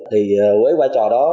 thì với vai trò đó